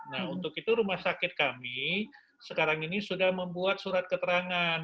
nah untuk itu rumah sakit kami sekarang ini sudah membuat surat keterangan